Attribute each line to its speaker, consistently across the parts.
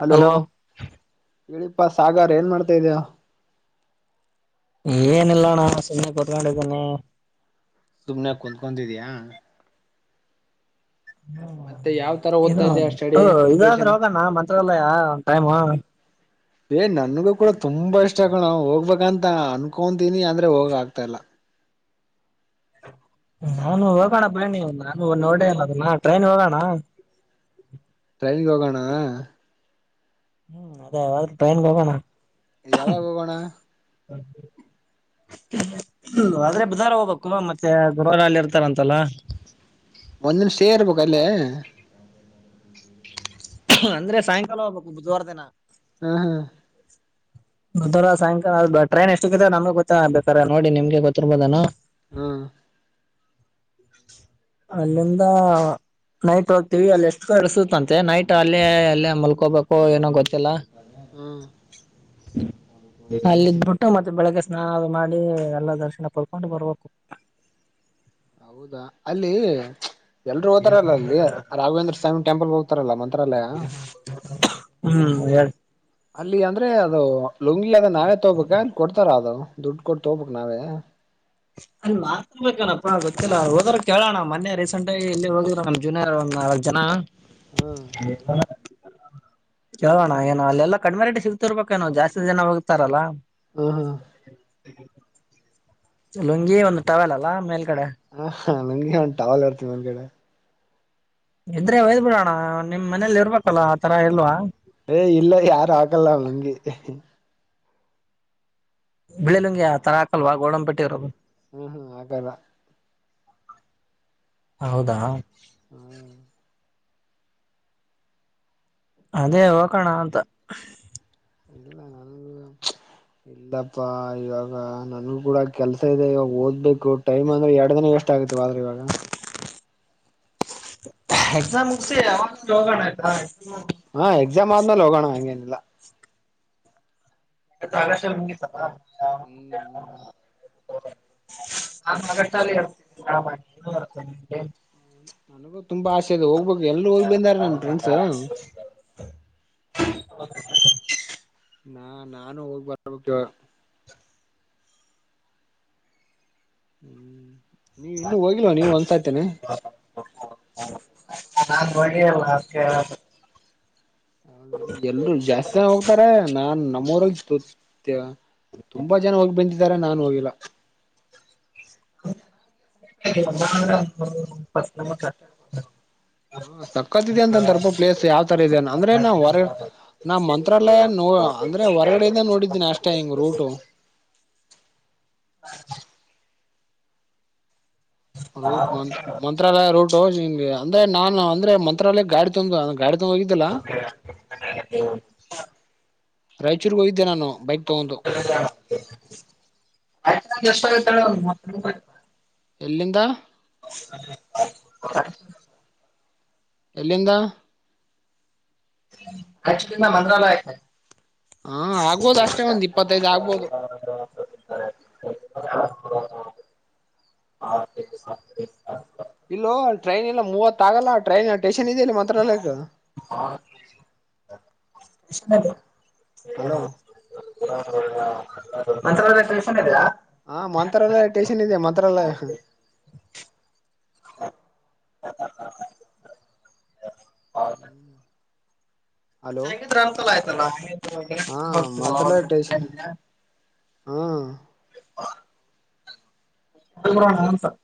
Speaker 1: Hello ಹೇಳಿಪ್ಪಾ ಸಾಗರ್ ಏನ್ ಮಾಡ್ತಾ ಇದ್ಯಾ.
Speaker 2: ಏನಿಲ್ಲಣ್ಣ ಸುನ್ನೆ ಕೂತ್ಕೊಂಡಿದಿನಿ
Speaker 1: ಸುಮನೆ ಕೂತ್ಕೊಂದಿದೀಯ ಮತ್ತೆ ಯಾವ್ ತರ ಓದ್ತಾ
Speaker 2: ಹ್ಮ
Speaker 1: ಇದೆಯಾ ಸ್ಟಡಿ
Speaker 2: ಇದಾದ್ರೂ
Speaker 1: ಪ್ರಿಪ್ರೇಷನ್
Speaker 2: ಹೋಗಣ ಮಂತ್ರಾಲಯ ಒನ್ ಟೈಮ್
Speaker 1: ಏ ನನ್ಗೂ ಕೂಡ ತುಂಬಾ ಇಷ್ಟ ಕಣೋ ಹೋಗ್ಬೇಕಂತ ಅನ್ಕೊಂತೀನಿ ಅಂದ್ರೆ ಹೋಗ ಆಗ್ತಾ ಇಲ್ಲ.
Speaker 2: ನಾನು ಹೋಗೋಣ ಬನ್ನಿ ನಾನು ನೋಡೇ ಅಲ್ಲದನ್ನ ಟ್ರೈನ್ ಹೋಗೋಣ.
Speaker 1: ಟ್ರೈನಗೆ ಹೋಗಣಾ
Speaker 2: ಹ್ಮ್ ಅದೇ ಟ್ರೈನ್ ಗೆ ಹೋಗೋಣ.
Speaker 1: ಯಾವಾಗ ಹೊಗೋಣ
Speaker 2: ಹಾ ಆದ್ರೆ ಬುಧವಾರ ಹೋಬಕ್ಕ್ ಮತ್ತೆ ಗುರುವಾರ ಅಲ್ಲಿ ಇರ್ತಾರಂತಲ್ಲ.
Speaker 1: ಒಂದ್ ನಿಮಿಷೇ ಇರ್ಬೇಕು ಅಲ್ಲೇ.
Speaker 2: ಅಂದ್ರೆ ಸಾಯಂಕಾಲ ಹೋಗ್ಬೇಕು ಬುಧವಾರ ದಿನ
Speaker 1: ಹಾ ಹಾ
Speaker 2: ಮದರಾ ಸಾಯಂಕಾಲ ಟ್ರೈನ್ ಎಷ್ಟುಕ್ಕ ನಮ್ಗೆ ಗೊತ್ತ ಬೇಕಾರೆ ನೋಡಿ ನಿಮ್ಗೆ ಗೊತ್ತಿರಬಹುದೇನು
Speaker 1: ಹಾ
Speaker 2: ಅಲ್ಲಿಂದ ನೈಟ್ ಹೋಗ್ತೀವಿ ಅಲ್ಲಿ ಎಷ್ಟು ಕರ್ಸುತ್ತಂತೆ ನೈಟ್ ಅಲ್ಲೇ ಅಲ್ಲೇ ಮಲ್ಕೋಬೇಕು ಏನೋ ಗೊತ್ತಿಲ್ಲಾ.
Speaker 1: ಹು
Speaker 2: ನಾ ಇಲ್ಲಿ ಇದ್ಬಿಟ್ಟು ಮತ್ತೆ ಬೆಳಿಗ್ಗೆ ಸ್ನಾನ ಅದು ಮಾಡಿ ಎಲ್ಲ ದರ್ಶನ ಪಡ್ಕೊಂಡು ಬರ್ಬೇಕು.
Speaker 1: ಹೌದಾ ಅಲ್ಲಿ ಎಲ್ರು ಹೋಗತಾರಲ್ಲ ಅಲ್ಲಿ ರಾಘವೇಂದ್ರ ಸ್ವಾಮಿ ಟೆಂಪಲ್ ಹೋಗ್ತಾರಲ್ಲಾ ಮಂತ್ರಾಲಯ
Speaker 2: ಹ್ಮ್ ಹೇಳ
Speaker 1: ಅಲ್ಲಿ ಅಂದ್ರೆ ಅದು ಲುಂಗಿ ಅದ ನಾವೇ ತೋಬೇಕ ಅಲ್ಲಿ ಕೊಡ್ತಾರ ಅದು ದುಡ್ಡು ಕೊಟ್ಟ ತೋಗೊಬೇಕ ನಾವೇ
Speaker 2: ಆಲ ಮಾತ್ರಬೇಕಣಪ್ಪ ಗೊತ್ತಿಲ್ಲಾ ಹೋದರ ಕೇಳೋಣ ಮೊನ್ನೆ ರೀಸೆಂಟ್ ಆಗ ಇಲ್ಲಿ ಹೋಗಿದ್ರ ನನ್ ಜೂನಿಯರ್ ಒಂದ್ ನಾಲ್ಕ್ ಜನ
Speaker 1: ಹ್ಮ
Speaker 2: [inaudible] ಕೇಳೋಣ ಏನೋ ಅಲ್ಲೆಲ್ಲ ಕಡಿಮೆ ರೇಟ ಸಿಗ್ತಿರ್ಬೇಕೇನೋ ಜಾಸ್ತಿ ಜನ ಹೋಗ್ತಾರಲ್ಲಾ.
Speaker 1: ಹ ಹಾ
Speaker 2: ಲುಂಗಿ ಒಂದು ಟವೆಲ್ ಅಲ್ಲಾ ಮೇಲ್ಗಡೆ
Speaker 1: ಹ ನಂಗೆ ಒಂದ್ ಟವಲ್ ಇರ್ತ್ ನಂದ್ ಕಡೆ
Speaker 2: ಇದ್ರೆ ಒಯ್ದ್ ಬಿಡೋ ಅಣ್ಣ ನಿಮ್ ಮನೇಲಿ ಇರ್ಬೇಕಲ್ಲ ಆ ತರ ಇಲ್ವಾ [unintelligible]
Speaker 1: ಏ ಇಲ್ಲ ಯಾರು ಆಗಲ್ಲ ನಂಗೆ
Speaker 2: ಬೆಳಿಲುಂಗೆ ಆ ತರ ಹಾಕಲ್ವಾ ಗೋಡಂಪಟಿಯವರು
Speaker 1: ಹ್ಮ್ ಹ್ಮ್ ಆಗವಾ
Speaker 2: ಹೌದಾ.
Speaker 1: ಹ್ಮ್.
Speaker 2: ಅದೇ ಹೋಗೋಣ ಅಂತ.
Speaker 1: ಚ್ ಇಲ್ಲಪ್ಪ ಇವಾಗ. ನನ್ಗೂ ಕೂಡ ಕೆಲಸ ಇದೆ ಇವಾಗ ಓದ್ಬೇಕು ಟೈಮ್ ಅಂದ್ರೆ ಎರಡ ದಿನ ಎಷ್ಟಟ್ ಆಗತಿವ ಆದ್ರೆ ಇವಾಗ-.
Speaker 2: ಎಕ್ಸಾಮ್ ಮುಗಸಿ ಯಾವಾಗರ್ ಹೋಗಾಣ ಆಯ್ತಾ.....
Speaker 1: ಹಾ ಎಕ್ಸಾಮ್ ಆದ್ಮೇಲೆ ಹೋಗೋಣ ಹಂಗೇನಿಲ್ಲ.
Speaker 2: ಜಾಗಶ ಮುಗಿತಪ [unintelligible]
Speaker 1: ಹ್ಮ್ ಹ್ಮ್
Speaker 2: [unintelligible]
Speaker 1: ನನಗೂ ತುಂಬಾ ಆಸೆ ಅದು ಹೋಗ್ಬೇಕು ಎಲ್ಲರು ಹೋಗಿ ಬಂದರ ನನ್ ಫ್ರೆಂಡ್ಸ. ನಾ ನಾನು ಹೋಗ ಬರ ಹೋಗತೇನಿ ಅಂತಾ ಹೇಳು. ಹ್ಮ್ ಇನ್ನುೂ ಹೋಗಿಲ್ವ ನೀವ ಒಂದು ಸರತೀನಿ..
Speaker 2: ನಾನ್ ನೋಡನ್ ಅದಕ್ಕ್ ಹೇಳದು.
Speaker 1: ಹೌದ ಎಲ್ರು ಜಾಸ್ತಿ ಹೋಗ್ತಾರ. ನಾನ್ ನಮ್ಮ ಊರಲ್ಲಿತು ತುಂಬಾ ಜನ ಹೋಗಿ ಬಂದಿದ್ದಾರೆ ನಾನು ಹೋಗಿಲ್ಲ.
Speaker 2: [inaudible]
Speaker 1: ಸಕ್ಕತ್ ಇದೆ ಅಂತಂತರ್ಪ ಪ್ಲೇಸ್ ಯಾವ್ರ ಇದೆ ಅನೆ ಅಂದ್ರೆ ನಾ ಹೊರ. ನಾ ಮಂತ್ರಾಲಯ ನೋ ಅಂದ್ರೆ ಹೊರಗಡೆದ ನೋಡಿದ್ದೀನಿ ಅಷ್ಟೇ ಹಿಂಗ್ ರೂಟ.
Speaker 2: ಹ
Speaker 1: ರೂಟ್ ಮಂ ಮಂತ್ರಾಲಯ ರೂಟ್ ಅಂದ್ರೆ ನಾನ್ ಅಂದ್ರೆ ಮಂತ್ರಾಲಯ ಗಾಡಿ ತಂದು ಗಾಡಿ ಹೋಗಿದ್ದಲ್ಲ ರಾಯಚೂರ್ಗೆ ಹೋಗಿದ್ದೆ ನಾನು ಬೈಕ್ ತಗೊಂದ
Speaker 2: ಆಯ್ತ ಎಷ್ಟು ಗೊತ್ತಾಳ.
Speaker 1: ಎಲ್ಲಿಂದ.
Speaker 2: [unintelligible]
Speaker 1: ಎಲ್ಲಿಂದ.
Speaker 2: ಆಕ್ಚುಲಿಂದ್ ಮಂತ್ರಾಲಯಕ್ ಆಯ್ತ.
Speaker 1: ಹಾ ಆಗ್ಬೋದು ಅಷ್ಟೇ ಒಂದ್ ಇಪ್ಪತ್ತೈದ್ ಆಗ್ಬೋದು.
Speaker 2: ಹೌ ಹ. ಹ ಆ [unintelligible]
Speaker 1: ಇಲ್ಲೊ ಟ್ರೈನ್ ಇಲ್ಲ ಮೂವತ್ ಆಗಲ್ಲ ಟ್ರೈನ್ ಸ್ಟೇಷನ್ ಇದೆ ಮಂತ್ರಾಲಯದು.
Speaker 2: ಹಾ ಪ್ರಷ
Speaker 1: ಹಲೋ
Speaker 2: [inaudible] ಮಂತ್ರಾಲಯಕ್ಕೆ ಟ್ಯಷನ್ ಇದೆಯಾ.
Speaker 1: ಹಾ ಮಂತ್ರಾಲಯ ಟೇಷನ್ ಇದೆ ಮಂತ್ರಾಲಯ.
Speaker 2: ಮ
Speaker 1: ಹಲೋ
Speaker 2: ಹಂಗಿದ್ರೆ ಅನ್ಂತಲ್ಲ ಆಯ್ತಲ್ಲ
Speaker 1: ಹಾ
Speaker 2: ಹ [inaudible]
Speaker 1: ಹ್ಮ
Speaker 2: ಹಾ ೂ ಸ [inaudible]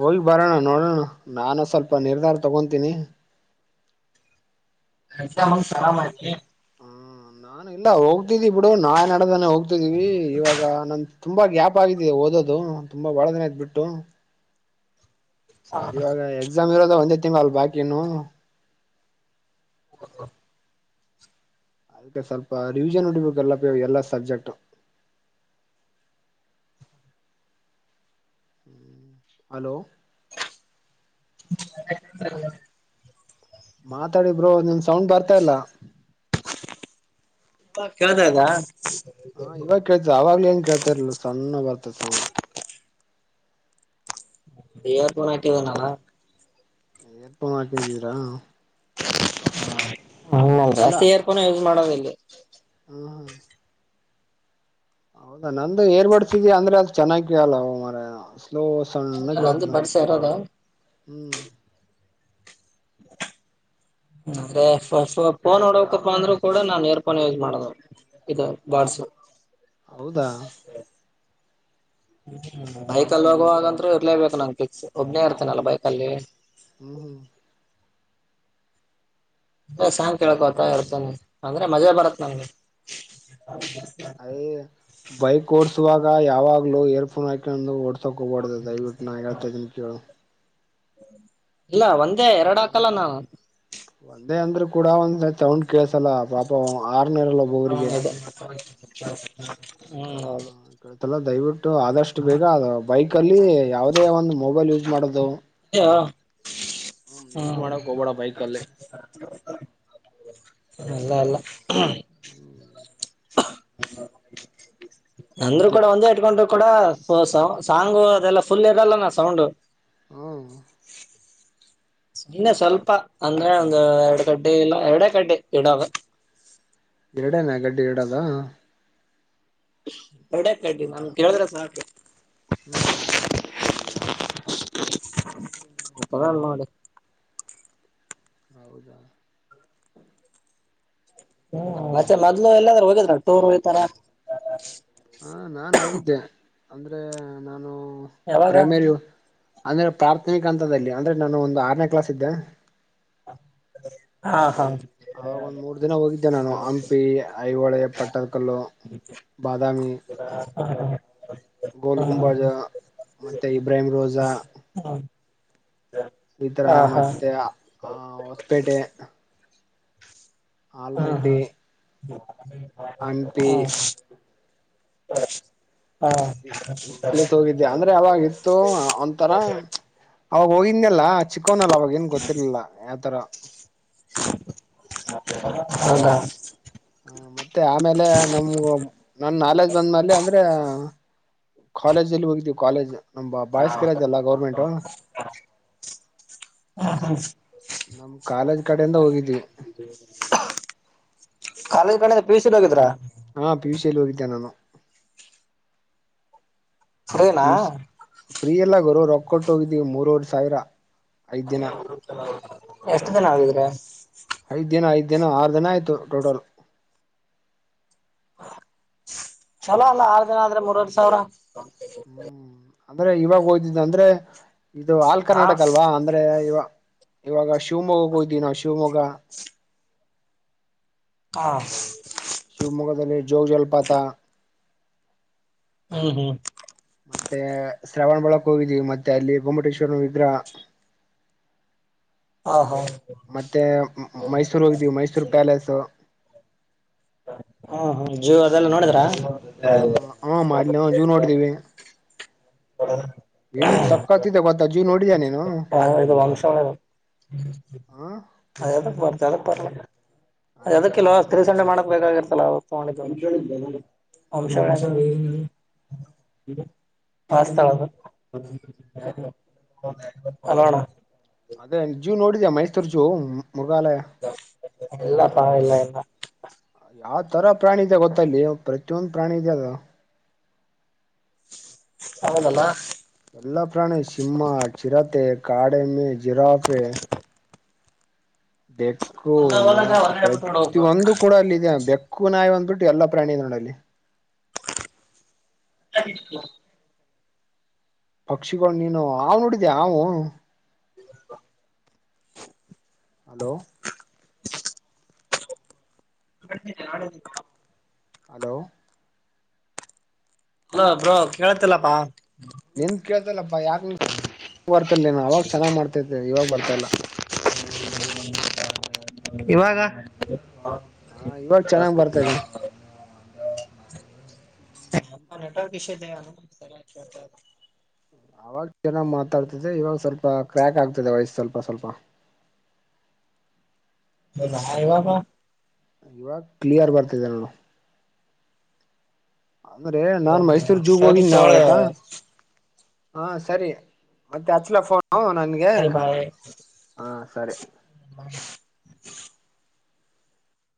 Speaker 1: ಹೋಲಿ ಬಾರಣ ನೋಡೋಣ ನಾನು ಸ್ವಲ್ಪ ನಿರ್ಧಾರ ತಗೊತೀನಿ.
Speaker 2: ಅಂತ ಮನ್ಸ ಆರಮಾಹತಿ.
Speaker 1: ಹ್ಮ ನಾನ ಇಲ್ಲ ಹೋಗ್ತಿದ್ದಿ ಬಿಡು ನಾ ನಡ್ದಾನೆ ಹೋಗ್ತಿದೀವಿ ಇವಾಗ ನ. ತುಂಬ ಗ್ಯಾಪ್ ಆಗಿದೆ ಓದೋದು ತುಂಬ ಭಾಳದಿನ ಅಯ್ತು ಬಿಟ್ಟು. ಇವಾಗ ಎಕ್ಸಾಮ್ ಇರೋದ ಒಂದೇ ತಿಂಗಳಲ್ಲ ಬಾಕಿ ಇರೋದು.
Speaker 2: ಹ [inaudible]
Speaker 1: ಅದಕ್ಕೆ ಸ್ವಲ್ಪ ರಿವಿಷನ್ ಒಡಿಬೇಕುಎಲ್ಲಾ, ಎಲ್ಲ ಸಬ್ಜೆಕ್ಟ್ ಹಲೋ,
Speaker 2: [inaudible]
Speaker 1: ಮಾತಾಡಿ ಬ್ರೋ ನಿಮ್ ಸೌಂಡ್ ಬರ್ತಾ ಇಲ್ಲಾ.
Speaker 2: ಕೇಳತಾ ಇಲ್ಲಾ
Speaker 1: ಹ ಇವಾಗ ಕೇಳ್ತಾಅವಾಗೇನಏನ್ ಕೇಳ್ತಾ ಇಲ್ಲ ಸಣ್ಣ ಬರ್ತಾ ಸೌಂಡ.
Speaker 2: ಎರ್ ಪೋನ್ ಹಾಕಂದಿನಲ್ಲಾ
Speaker 1: ಏರ್ ಪೋನ್ ಹಾಕಿದ್ದೀರಾ
Speaker 2: ಹ, ಜಾಸ್ತಿ ಇಯರಫೋನ್ ಯೂಸ್ ಮಾಡೋದ ಇಲ್ಲಿ.
Speaker 1: ಹಾ ಹಾ [inaudible] ಹೌದಾ, ನಂದು ಏರ್ ಬಡ್ಸ ಇದೆಅಂದ್ರೆ ಅದು ಚೆನ್ನಾಗಕೇಳಲ್ಲೋ ಮಾರಾಯ ಸ್ಲೋ- ಸಣ್ಣ
Speaker 2: ನಂದು
Speaker 1: ಕೇಳ್ತಾದ
Speaker 2: ಬಡ್ಸ ಇರೋದು
Speaker 1: ಹ್ಮ್,
Speaker 2: [inaudible] ಅ ಫೋನ್ ನೋಡಬೇಕಅಂದ್ರು ಕೂಡ ನಾನ್ ಏರ್ಫೋನ್ ಯೂಸ್ ಮಾಡದು. ಇದು ಬಡ್ಸ
Speaker 1: ಹೌದಾ!
Speaker 2: ಹ್ಮ್, ಬೈಕಲ್ಲಿ ಹೋಗುವಾಗಂತ್ರೂ ಇರ್ಲೇಬೇಕು ನಂಗೆ ಫಿಕ್ಸ್ ಒಬ್ನೇ ಇರ್ತೇನಲ್ಲ ಬೈಕಲ್ಲಿ.
Speaker 1: ಹ್ಮ ಹ್ಮ [inaudible]
Speaker 2: ಅ ಸಾಂಗ್ ಕೇಳ್ಕೊಂತ ಹೋಗ್ತೇನೆ ಅಂದ್ರೆ ಮಜಾ ಬರತ್ ನನ್ಗೆ. -
Speaker 1: ಏಯ್ ಬೈಕ್ ಓಡ್ಸುವಾಗ ಯಾವಾಗ್ಲೂ ಇಯರ್ಫೋನ್ ಹಾಕೆಂಡ ಓಡ್ ಸೊಕ್ಕು ಹೊಡದ ಇಟ್ ನ ಹೇಳ್ತ ಇದನ ಕೇಳು [unintelligible]
Speaker 2: ಇಲ್ಲಾ ಒಂದೇ ಎರಡು ಹಾಕಲ್ಲ ನಾನು.
Speaker 1: ಒಂದೇ ಅಂದ್ರರು ಕೂಡ ಒಂದ್ ಸೌಂಡ್ ಕೇಳಸಲ್ಲ ಪಾಪ ಆರ್ನೇರಲ್ಲಾ.
Speaker 2: ಹ್ಮ [unintelligible] ಅದ ಹ್ಮ್ ಹೌದು
Speaker 1: ಕಳ್ಸಲ್ಲಾ ದಯವಿಟ್ಟು ಆದಷ್ಟು ಬೇಗ ಬೈಕ್ ಅಲ್ಲಿ ಯಾವದೇ ಒಂದು ಮೊಬೈಲ್ ಯೂಸ್ ಮಾಡೋದು.
Speaker 2: ಹ
Speaker 1: ಹ್ಮ್
Speaker 2: ಹ್ಮ [unintelligible]
Speaker 1: ಯೂಸ್ ಮಾಡಕ್ ಹೋಗ್ಬೇಡ ಬೈಕಲ್ಲಿ
Speaker 2: ಅಲ್ಲ ಅಲ್ಲ [unintelligible] ಹ [inaudible] ಅಂದ್ರು
Speaker 1: ನಿಜ
Speaker 2: ಕೂಡ ಒಂದೇ ಇಟ್ಕೊಂಡ್ರು ಕೂಡ ಸಾಂಗು ಅದೆಲ್ಲಾ ಫುಲ್ ಇರಲ್ಲ ಅಣ್ಣ ಸೌಂಡ್
Speaker 1: ಹ್ಮ [inaudible]
Speaker 2: ಇನ್ನೆ ಸ್ವಲ್ಪ ಅಂದ್ರೆ ಒಂದು ಎರಡು ಗಡ್ಡೆ ಇಲ್ಲ ಎರಡೆೇ ಕಡ್ಡೆ ಇಡಾಗ
Speaker 1: ಎರಡೇನಾ ಗಡ್ಡಿ ಇಡದು
Speaker 2: ಕಡೆ ಕಡ್ಡಿ ನಮ ಕೇಳಿದ್ರೆ ಸ [unintelligible]
Speaker 1: ಹ್ಮ್,
Speaker 2: ಮತ್ತದಲ್ಲ ಅಡೆ [inaudible]
Speaker 1: ಹೌದಾ [inaudible]
Speaker 2: ಹ್ಮ್, ಮತ್ತೆ ಮೊದ್ಲು ಎಲ್ಲಾದ್ರೂ ಹೋಗಿದ್ರ ಟೂರ್ ಇತರಾ.
Speaker 1: ಹಾ, ನಾನು ಹೋಗಿದ್ದೆ ಅಂದ್ರೆ ನಾನು
Speaker 2: ಯಾವಾಗ
Speaker 1: ಪ್ರೈಮರಿ ಅಂದ್ರೆ ಪ್ರಾಥಮಿಕ ಹಂತದಲ್ಲಿ ಅಂದ್ರೆ ನಾನು ಒಂದು ಆರನೇ ಕ್ಲಾಸ್ ಇದ್ದೆ.
Speaker 2: ಹಾ, ಹಾ
Speaker 1: ಅವಾಗ ಒಂದ್ ಮೂರ್ ದಿನ ಹೋಗಿದ್ದೆ ನಾನು ಹಂಪಿ- ಐಹೊಳೆ, ಪಟ್ಟದಕಲ್ಲು, ಬಾದಾಮಿ
Speaker 2: ಹಾ ಹಾ [unintelligible]
Speaker 1: ಗೋಲ್
Speaker 2: ಹಾ
Speaker 1: ಗುಂಬಜ ಮತ್ತೆ ಇಬ್ರಾಹಿಂ ರೋಜ.
Speaker 2: ಹ್ಮ.
Speaker 1: ಈ ತರ ಮತ್ತೆ ಆ ಹೊಸಪೇಟೆ
Speaker 2: ಹ್ಮ್
Speaker 1: ಆಲ್ಮೆಟ್ಟಿ
Speaker 2: ಹ್ಮ್ ಹ್ಮ್ ಹಾ
Speaker 1: ಇಷ್ಟ ಪ್ಲೇಸ್ ಹೋಗಿದ್ದೆ ಅಂದ್ರ ಅವಾಗ ಇತ್ತು ಒಂತರ ಅವಾಗ ಹೋಗಿದ್ನಲ್ಲ. ಚಿಕ್ಕೋನಲ್ಲ ಅವಾಗ ಏನ ಗೊತ್ತಿರ್ಲಿಲ್ಲ ಆತರ
Speaker 2: ಹೌದಾ.
Speaker 1: ಹ ಮತ್ತೆ ಆಮೇಲೆ ನಮ್ಗ ನನ್ ನಾಲೆಜ್ ಬಂದ ಮೇಲೆ ಅಂದ್ರೆ ಕಾಲೇಜ್ ಅಲ್ಲಿ ಹೋಗಿದ್ದೀ ಕಾಲೇಜ್. ನಾ ಬಾ ಬಾಯ್ಸ್ ಕಾಲೇಜ್ ಅಲಾ ಗೌರ್ಮೆಂಟ್. ನಮ ಕಾಲೇಜ್ ಕಡೆಯಿಂದ ಹೋಗಿದ್ವಿ.
Speaker 2: ಕಾಲೇಜ್ ಕಡೆನೇ ಪಿ ಸಿ ಹೋಗಿದ್ರಾ.
Speaker 1: ಹಾ ಪಿಯುಷ್ ಅಲ್ಲಿ ಹೋಗಿದ್ದೆ ನಾನು. ಪಿ
Speaker 2: ಸರಿನಾ.
Speaker 1: ಯು ಸಿ ಫ್ರೀ ಅಲ್ಲ ಗುರು ರೊಕ್ಕ ಕೊಟ್ಟೋಗಿದ್ದೀವಿ ಮೂರವರೇ ಸಾವಿರ. ಐದ್ ದಿನ
Speaker 2: ಎಷ್ಟ ದಿನ ಹೋಗಿದೀರಾ.
Speaker 1: ಐದ ದಿನ ಐದ ದಿನ ಆರ ದಿನ ಆಯ್ತು ಟೋಟಲ್.
Speaker 2: ಚಲೋ ಅಲ ಆರ್ ದಿನ ಆದ್ರ ಮೂರ್ವರ ಸಾವಿರ.
Speaker 1: ಹ್ಮ ಅಂದ್ರ ಇವಾಗ ಹೋದಿದ್ದ ಅಂದ್ರೆ ಇದು ಆಲ್
Speaker 2: ಹಾ
Speaker 1: ಕರ್ನಾಟಕ ಅಲ್ವಾ ಅಂದ್ರ ಇವ ಇವಾಗ ಶು ಶಿವಮೊಗ್ಗ ಹೊದ್ದಿವಿ ನಾವ ಶಿವಮೊಗ್ಗ.
Speaker 2: ಹ.
Speaker 1: ಶಿವಮೊಗ್ಗದಲ್ಲಿ ಜೋಗ ಜಲಪಾತ.
Speaker 2: ಹ್ಮ ಹ್ಮ.
Speaker 1: ಮತ್ತೆ ಶ್ರವಣಬೇಳಕ ಹೋಗಿದ್ದವಿ ಮತ್ತೆ ಅಲ್ಲಿ ಗೊಮ್ಮಟೇಶ್ವರ ವಿಗ್ರಹ
Speaker 2: ಹಾ ಹಾ.
Speaker 1: ಮತ್ತೆ ಮೈಸೂರು ಹೋಗ್ದೀವಿ ಮೈಸೂರ ಪ್ಯಾಲೇಸ್.
Speaker 2: ಹ್ಮ ಹ್ಮ ಜೂ ಅದೆಲ್ಲ ನೋಡಿದ್ರ.
Speaker 1: ಹ ಮಾಡ್ಲಿ ಜೂ ನೋಡಿದೀವಿ.
Speaker 2: [inaudible]
Speaker 1: ಏನ್ ಸಕತ್ತ ಇದೆ ಗೊತ್ತಾ ಜೂ ನೋಡಿದೀಯ ನೀ
Speaker 2: ಹ ಇದು ವಂಶವರ
Speaker 1: ಹ
Speaker 2: ಎದಕ್ಕ ಬತ್ತ ಎದಕ್ಕ ಬರಲ್ಲ
Speaker 1: ಹಲೋ
Speaker 2: ಎದಕ್ಕ ಇಲ್ಲೋ ತ್ರಸಂಟೆ ಮಾಡಕ ಬೇಕಾಗಿರ್ತಲ್ [unintelligible] [inaudible] [unintelligible] ಹಲೋ ಅನಾ
Speaker 1: ಅದೇ ಜೂ ನೋಡಿದ್ಯಾ ಮೈಸೂರ ಜೂ ಮುೃಗಾಲಯ.
Speaker 2: ಎಲ್ಲ ಪಾವ ಎಲ್ಲ ಎಲ್ಲ
Speaker 1: ಯಾವ ತರ ಪ್ರಾಣಿ ಇದೆ ಗೊತ್ತಲ್ಲಿ ಪ್ರತಿಯೊಂದ ಪ್ರಾಣಿ ಇದೆ ಅದ
Speaker 2: ಹೌದಲ್ಲ.
Speaker 1: ಎಲ್ಲ ಪ್ರಾಣಿ ಸಿಂಹ ಚಿರತೆ ಕಾಡೆಮ್ಮೆ ಜಿರಾಫೆ. ಬೆಕ್ಕು
Speaker 2: ಎಲ್ಲ
Speaker 1: ನಾ
Speaker 2: ಹೋದಾಗ ಹೊರಗಡೆ ಬಿಟ್ಟು ನೋಡ್ಬೇಕು
Speaker 1: ಪ್ರತಿಯೊಂದು ಕೂಡ ಅಲ್ಲಿದೆ ಬೆಕ್ಕ ಕೂ ನಾಯ ಅಂದ್ಬಿಟ್ಟ ಎಲ್ಲ ಪ್ರಾಣಿ ನೋಡಲ್ಲಿ
Speaker 2: [unintelligible]
Speaker 1: ಪಕ್ಷಿಗಳು ನೀನು ಹಾವು [inaudible] ನೋಡಿದ್ದೆ ಅವಾವು
Speaker 2: ಹ [inaudible]
Speaker 1: ಹಲೋ
Speaker 2: ಅ [inaudible] ಆ
Speaker 1: ಹಲೋ
Speaker 2: ಹಲೋ ಬ್ರೋ ಕೇಳತ್ತಲ್ಲಪ್ಪಾ.
Speaker 1: ನಿನ್ ಕೇಳ್ತಲ್ಲಪ್ಪಾ ಯಾಕ [unintelligible] ಬರ್ಲ್ಲ ಅವಾಗ ಚೆನ್ನಾಗಿ ಮಾಡ್ತಾ ಇವಾಗ ಬರ್ತಾಲ್ಲ.
Speaker 2: ಇವಾಗ
Speaker 1: ಹ ಇವಾಗ ಚೆನ್ನಾಗ್ ಬರ್ತಾದೆ
Speaker 2: ಟ [inaudible] ಅಂದ [inaudible] [inaudible] ನಟವರ್ ಇಷೇ.
Speaker 1: ಅವಾಗ ಚೆನ್ನಾಗ್ ಮಾತಾಡ್ತಿದೆ ಇವಾಗ ಸ್ವಲ್ಪ ಕ್ರ್ಯಾಕ್ ಆಗ್ತಿದೆ ವಯಸ್ಸ ಸ್ವಲ್ಪ ಸ್ವಲ್ಪ.
Speaker 2: ಬಬ [inaudible]
Speaker 1: ಇವಾಗ ಕ್ಲಿಯರ್ ಬರ್ತಿದೆ ನೋಡು. ಅಂದ್ರೆ ನಾನ್ ಮೈಸೂರ್ ಜೂಗ್
Speaker 2: ಸರಿ
Speaker 1: ಹೋಗಿದ್ದಿ
Speaker 2: ತೋಳ
Speaker 1: ನಾವಾಗತ್ತಾ. ಹಾ ಸರಿ ಮತ್ತೆ ಹಚ್ಲ ಫೋನ್ ನನ್ಗೆ
Speaker 2: ಸರಿ ಬಾಯ್
Speaker 1: ಹಾ ಸರಿ.